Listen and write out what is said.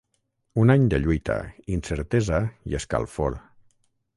Un any de lluita, incertesa i escalfor.